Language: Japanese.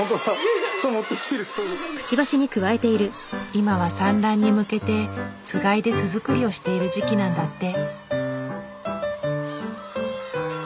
今は産卵に向けてつがいで巣作りをしている時期なんだって。